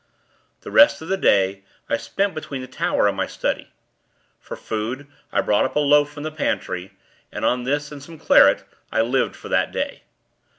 The rest of the day, I spent between the tower and my study. For food, I brought up a loaf from the pantry, and on this, and some claret, I lived for that day.